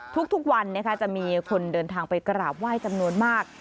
ทุกวันจะมีคนเดินทางไปกราบไหว้จำนวนมาก